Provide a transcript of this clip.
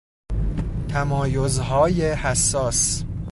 تمایزهای حساس